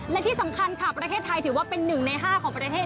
และที่สำคัญค่ะประเทศไทยถือว่าเป็น๑ใน๕ของประเทศ